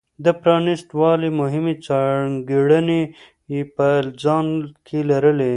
د پرانېست والي مهمې ځانګړنې یې په ځان کې لرلې.